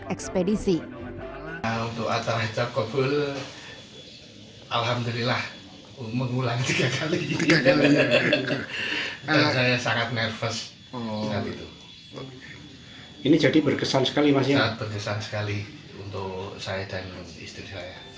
ekspedisi untuk acara ijab kabul alhamdulillah mengulang tiga kali ini jadi berkesan sekali untuk